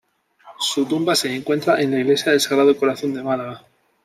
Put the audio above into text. Su tumba se encuentra en la Iglesia del Sagrado Corazón de Málaga.